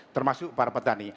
termasuk para petani